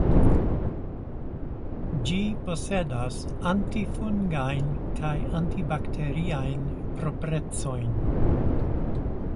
Ĝi posedas antifungajn kaj antibakteriajn proprecojn.